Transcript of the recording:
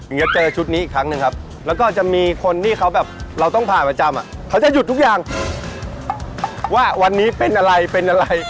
จะเจอชุดนี้อีกครั้งหนึ่งครับแล้วก็จะมีคนที่เขาแบบเราต้องผ่านประจำอ่ะเขาจะหยุดทุกอย่างว่าวันนี้เป็นอะไรเป็นอะไร